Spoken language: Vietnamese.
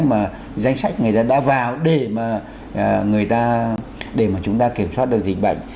mà danh sách người ta đã vào để mà người ta để mà chúng ta kiểm soát được dịch bệnh